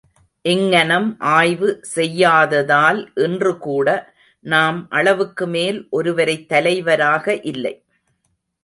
இங்ஙனம் ஆய்வு செய்யாததால் இன்று கூட நாம் அளவுக்குமேல் ஒருவரைத் தலைவராக, இல்லை!